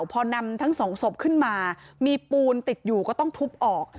พอนำทั้งสองศพขึ้นมามีปูนติดอยู่ก็ต้องทุบออก